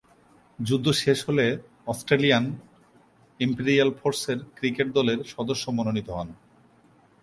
যুদ্ধ শেষ হলে অস্ট্রেলিয়ান ইম্পেরিয়াল ফোর্সেস ক্রিকেট দলের সদস্য মনোনীত হন।